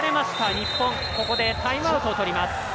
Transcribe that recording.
日本ここでタイムアウトを取ります。